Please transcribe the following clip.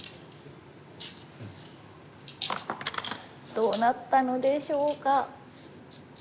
どうなったのでしょうか。